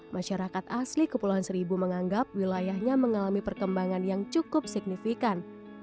masyarakat asli kepulauan seribu menganggap wilayahnya mengalami perkembangan yang cukup signifikan